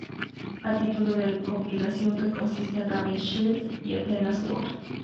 A título de compilación que consiste en Raven Shield y Athena Sword.